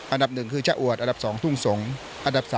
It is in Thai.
อันดับ๑จะอวดอันดับ๒ทุ่งสงก์